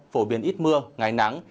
phổ biến ít mưa ngày nắng